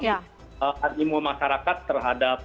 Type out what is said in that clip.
animo masyarakat terhadap